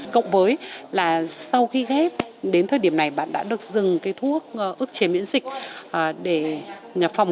cộng với là sau khi ghép đến thời điểm này bạn đã được dừng thuốc ước chế miễn dịch để phòng biến chứng